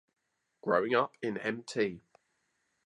Growing up in Mt.